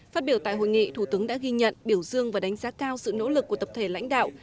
phát biểu tại hội nghị thủ tướng đã ghi nhận biểu dương và đánh giá cao sự nỗ lực của tập thể lãnh đạo